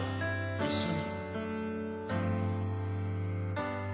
一緒に。